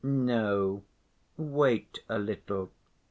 No, wait a little.